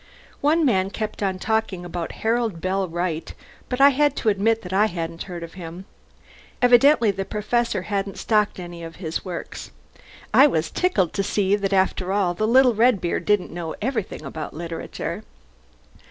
One man kept on talking about Harold Bell Wright, but I had to admit that I hadn't heard of him. Evidently the Professor hadn't stocked any of his works. I was tickled to see that after all little Redbeard didn't know everything about literature.